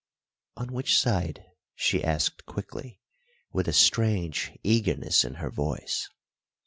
"On which side?" she asked quickly, with a strange eagerness in her voice.